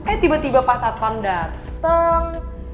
eh tiba tiba pas satpam dateng